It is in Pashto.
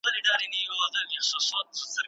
خاموشي د هر فکر پیل دی.